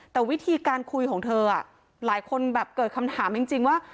แต่วิธีการคุยของเธอหลายคนแบบเกิดคำถามจริงว่า